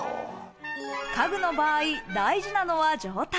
家具の場合、大事なのは状態。